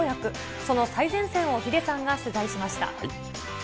その最前線をヒデさんが取材しました。